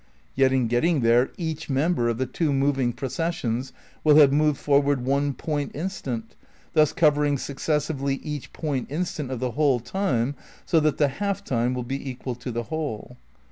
Yet in getting there each member of the two moving processions will have moved forward one point instant, thus covering successively each point instant of the whole time, so that the half time will be equal to the whole.